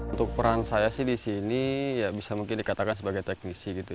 untuk peran saya di sini bisa dikatakan sebagai teknisi